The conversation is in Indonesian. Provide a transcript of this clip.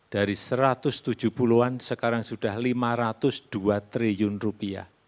dari rp satu ratus tujuh puluh sekarang sudah rp lima ratus dua